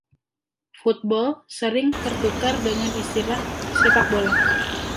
Football sering tertukar dengan istilah sepak bola.